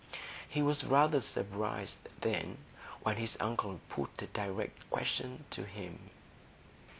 He was rather surprised, then, when his uncle put a direct question to him.